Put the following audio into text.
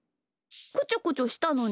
こちょこちょしたのに？